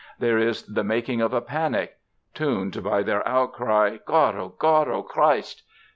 There is the making of a panic tuned by their outcry, _"God! O God! O Christ!"